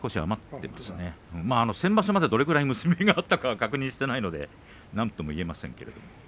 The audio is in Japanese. でも先場所まで、どれぐらいの結び目があったか確認していないのでなんとも言えませんね。